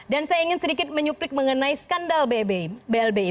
dan saya ingin sedikit menyuplik mengenai skandal blbi